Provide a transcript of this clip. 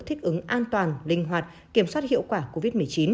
thích ứng an toàn linh hoạt kiểm soát hiệu quả covid một mươi chín